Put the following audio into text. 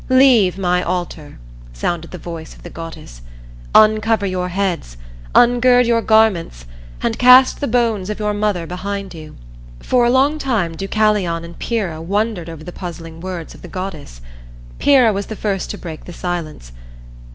"Leave my altar," sounded the voice of the goddess. "Uncover your heads, ungird your garments and cast the bones of your mother behind you." For a long time Deucalion and Pyrrha wondered over the puzzling words of the goddess. Pyrrha was the first to break the silence.